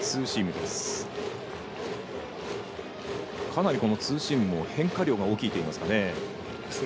かなりツーシームも変化量が大きいといいますかね。